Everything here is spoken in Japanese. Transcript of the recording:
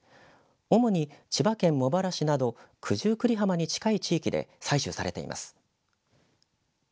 主に千葉県茂原市など九十九里浜に近い地域で採取されています。